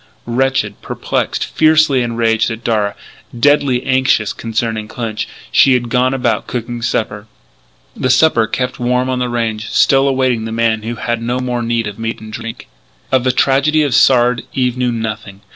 Wretched, perplexed, fiercely enraged at Darragh, deadly anxious concerning Clinch, she had gone about cooking supper. The supper, kept warm on the range, still awaited the man who had no more need of meat and drink. Of the tragedy of Sard Eve knew nothing.